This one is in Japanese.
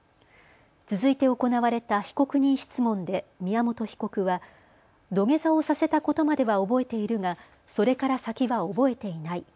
続いて行われた被告人質問で宮本被告は土下座をさせたことまでは覚えているがそれから先は覚えていない。